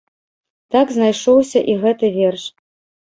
Так знайшоўся і гэты верш.